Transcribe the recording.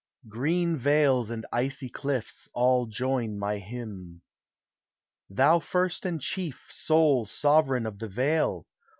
Green vales and icy cliffs, all join my hymn. Thou first and chief, sole sovereign of the vale